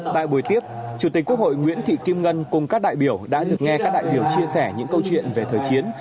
tại buổi tiếp chủ tịch quốc hội nguyễn thị kim ngân cùng các đại biểu đã được nghe các đại biểu chia sẻ những câu chuyện về thời chiến